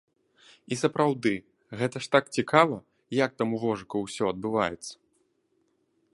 І сапраўды, гэта ж так цікава, як там у вожыкаў усё адбываецца!